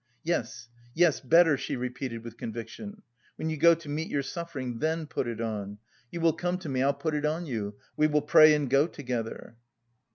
"Yes, yes, better," she repeated with conviction, "when you go to meet your suffering, then put it on. You will come to me, I'll put it on you, we will pray and go together."